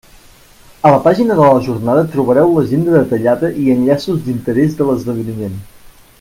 A la pàgina de la jornada trobareu l'agenda detallada i enllaços d'interès de l'esdeveniment.